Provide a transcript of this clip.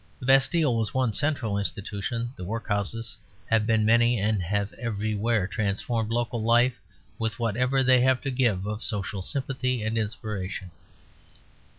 The Bastille was one central institution; the workhouses have been many, and have everywhere transformed local life with whatever they have to give of social sympathy and inspiration.